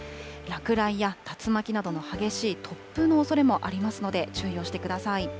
落雷や竜巻などの激しい突風のおそれもありますので、注意をしてください。